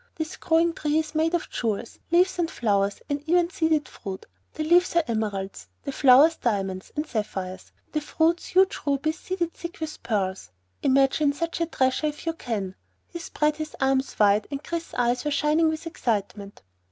"This growing tree is made of jewels; leaves and flowers and even seeded fruit. The leaves are emeralds; the flowers, diamonds and sapphires; the fruits, huge rubies seeded thick with pearls. Imagine such a treasure if you can!" He spread his arms wide and Chris's eyes were shining with excitement.